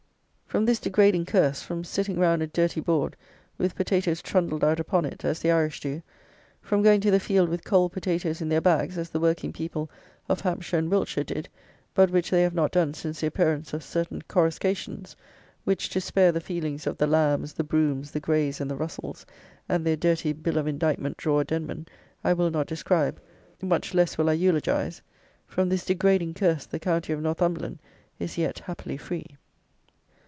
From this degrading curse; from sitting round a dirty board, with potatoes trundled out upon it, as the Irish do: from going to the field with cold potatoes in their bags, as the working people of Hampshire and Wiltshire did, but which they have not done since the appearance of certain coruscations, which, to spare the feelings of the "Lambs, the Broughams, the Greys, and the Russells," and their dirty bill of indictment drawer Denman, I will not describe, much less will I eulogize; from this degrading curse the county of Northumberland is yet happily free!